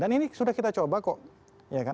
dan ini sudah kita coba kok